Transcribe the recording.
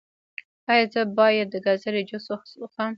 ایا زه باید د ګازرې جوس وڅښم؟